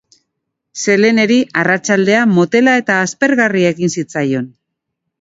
Azken hamarkadetako lorpenak begi-bistakoak dira.